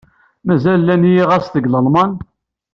Mazal llan yiɣas deg Lalman?